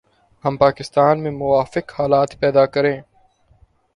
ہم پاکستان میں موافق حالات پیدا کریں